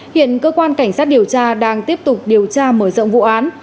hiện cơ quan cảnh sát điều tra đang tiếp tục điều tra mở rộng vụ án